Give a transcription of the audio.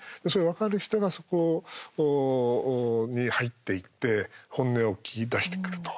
分かる人がそこに入っていって本音を聞き出してくると。